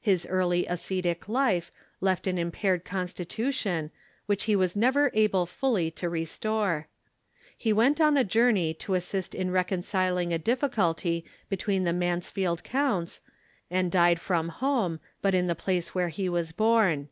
His early ascetic life left an impaired constitution, which he was never able fully to re store. He went on a journey to assist in reconciling a diffi culty between the Mansfeld counts, and died from home, but in the place where he was born.